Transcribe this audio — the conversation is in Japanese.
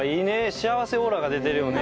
幸せオーラが出てるよね。